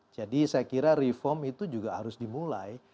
jadi saya kira reform itu juga harus dimulai